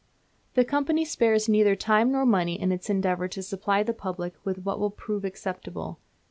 The company spares neither time nor money in its endeavour to supply the public with what will prove acceptable.